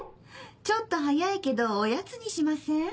ちょっと早いけどおやつにしません？